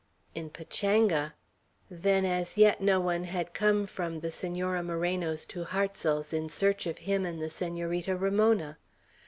"In Pachanga!" Then as yet no one had come from the Senora Moreno's to Hartsel's in search of him and the Senorita Ramona!